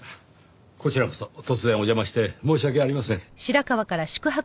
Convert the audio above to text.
こちらこそ突然お邪魔して申し訳ありません。